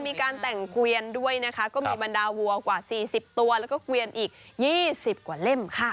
มีการแต่งเกวียนด้วยนะคะก็มีบรรดาวัวกว่า๔๐ตัวแล้วก็เกวียนอีก๒๐กว่าเล่มค่ะ